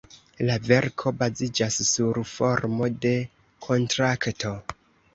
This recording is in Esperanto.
La verko baziĝas sur formo de kontrakto.